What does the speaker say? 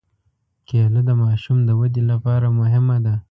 کېله د ماشوم د ودې لپاره مهمه ده.